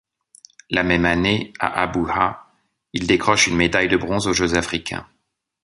La même année, à Abuja, il décroche une médaille de bronze aux Jeux africains.